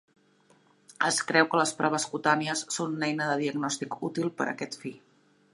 Es creu que les proves cutànies són una eina de diagnòstic útil per a aquest fi.